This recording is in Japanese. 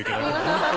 本当。